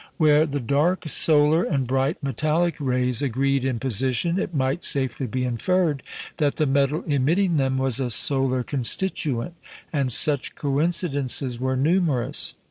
Where the dark solar and bright metallic rays agreed in position, it might safely be inferred that the metal emitting them was a solar constituent; and such coincidences were numerous.